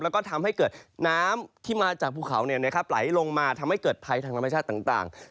แล้วก็ทำให้เกิดน้ำที่มาจากภูเขาไหลลงมาทำให้เกิดภัยทางธรรมชาติต่าง